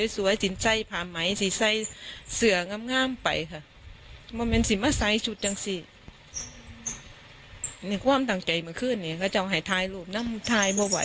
เซียงหอมไปว่าเป็นสิ่งมักซ้ายชุดนั้นสิในความต่างใจมาขึ้นนี้เราจะมาให้ท้ายนั่นใครก็ไย